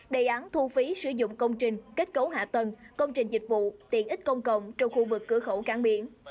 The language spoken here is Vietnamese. đề án thu phí sử dụng công trình kết cấu hạ tầng công trình dịch vụ tiện ích công cộng trong khu vực cửa khẩu cán biển